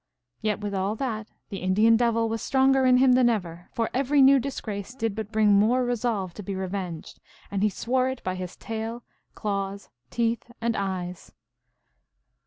Yet, with all that, the Indian devil was stronger in him than ever, for every new disgrace did but bring more resolve to be revenged, and he swore it by his tail, claws, teeth, and eyes.